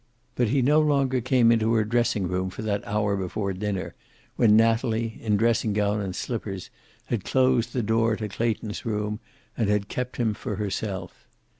But he no longer came into her dressing room for that hour before dinner when Natalie, in dressing gown and slippers, had closed the door to Clayton's room and had kept him for herself.